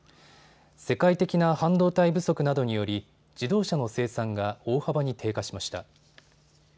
世界的な半導体不足などにより自動車の生産が大幅に低下しました。